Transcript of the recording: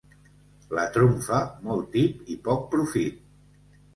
La trumfa, molt tip i poc profit.